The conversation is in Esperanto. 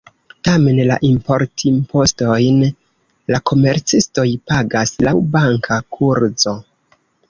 Tamen, la importimpostojn la komercistoj pagas laŭ banka kurzo.